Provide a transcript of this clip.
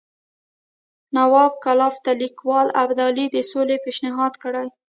نواب کلایف ته لیکلي ابدالي د سولې پېشنهاد کړی.